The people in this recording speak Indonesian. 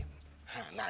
hah nah ya